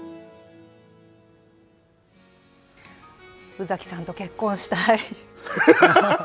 宇崎さんと結婚したい。